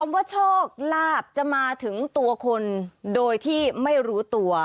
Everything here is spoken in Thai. ว่าโชคลาภจะมาถึงตัวคนโดยที่ไม่รู้ตัว